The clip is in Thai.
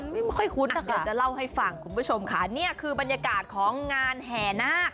เดี๋ยวจะเล่าให้ฟังคุณผู้ชมค่ะนี่คือบรรยากาศของงานแหนะ